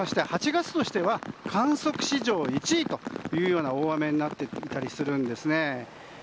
８月としては観測史上１位という大雨になっていたりするんですね。